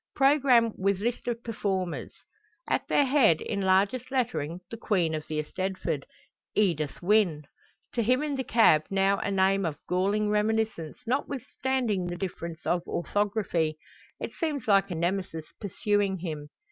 Programme with list of performers. At their head in largest lettering the queen of the eisteddfod: Edith Wynne! To him in the cab now a name of galling reminiscence, notwithstanding the difference of orthography. It seems like a Nemesis pursuing him!